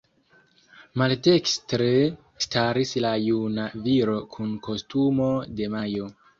Maldekstre staris la "Juna Viro kun kostumo de majo".